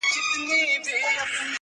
کلونه پس چي درته راغلمه، ته هغه وې خو؛.